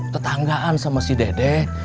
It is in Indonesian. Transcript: tetanggaan sama si dede